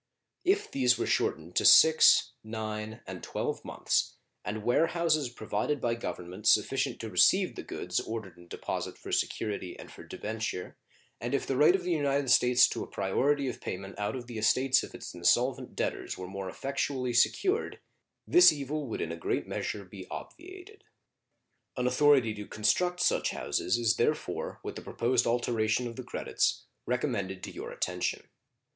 If these were shortened to 6, 9, and 12 months, and ware houses provided by Government sufficient to receive the goods offered in deposit for security and for debenture, and if the right of the United States to a priority of payment out of the estates of its insolvent debtors were more effectually secured, this evil would in a great measure be obviated. An authority to construct such houses is therefore, with the proposed alteration of the credits, recommended to your attention.